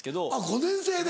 ５年生で。